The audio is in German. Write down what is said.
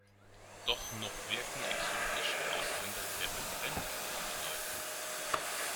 Doch noch wirken exotische Ausländer sehr befremdlich auf die Leute.